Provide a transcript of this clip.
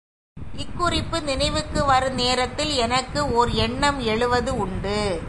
இக்குறிப்பு நினைவுக்கு வரும் நேரத்தில், எனக்கு ஓர் எண்ணம் எழுவது உண்டு.